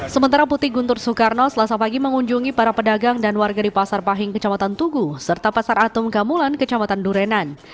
sementara putih guntur soekarno selasa pagi mengunjungi para pedagang dan warga di pasar pahing kecamatan tugu serta pasar atom kamulan kecamatan durenan